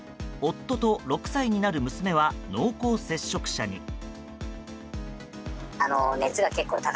夫と６歳になる娘は濃厚接触者に。